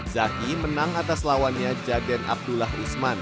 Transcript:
zaki menang atas lawannya jaden abdullah usman